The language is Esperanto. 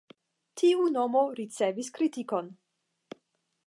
Tiu nomo ricevis kritikon.